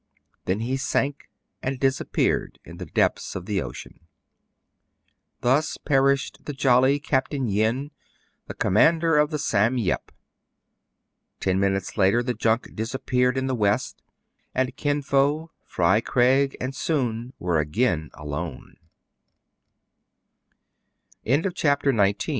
Then he sank, and disappeared in the depths of the ocean. Thus perished the jolly Capt. Yin, the com mander of the '*Sam Yep." Ten minutes later the junk disappeared in the west ; and Kin Fo, Fry Craig, and Soun were again